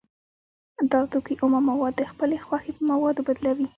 دا توکی اومه مواد د خپلې خوښې په موادو بدلوي